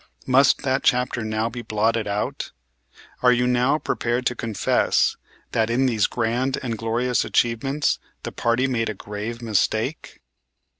Must that chapter now be blotted out? Are you now prepared to confess that in these grand and glorious achievements the party made a grave mistake?